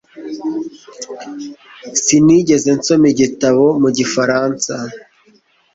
Sinigeze nsoma igitabo mu gifaransa